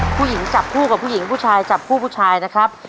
ผู้หญิงจับคู่กับผู้หญิงผู้ชายจับคู่ผู้ชายนะครับ